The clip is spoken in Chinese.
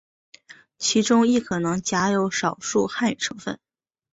其中亦可能夹有少数汉语成分。